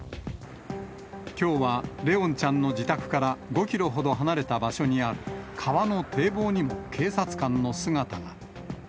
きょうは怜音ちゃんの自宅から５キロほど離れた場所にある川の堤防にも警察官の姿が。